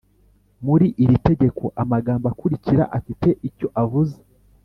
Muri iri tegeko amagambo akurikira afite icyo avuze